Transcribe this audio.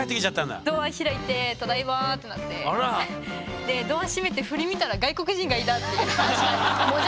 ドア開いて「ただいま」ってなってでドア閉めて振り向いたら外国人がいたっていう。